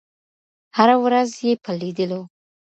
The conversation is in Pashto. هره ورځ یې په لېدلو